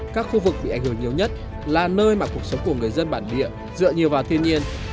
các khu vực bị ảnh hưởng nhiều nhất là nơi mà cuộc sống của người dân bản địa dựa nhiều vào thiên nhiên